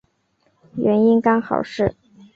原因刚好是